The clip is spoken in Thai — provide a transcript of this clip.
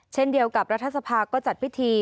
เช่นเดียวกับรัฐสภาก็จัดพิธี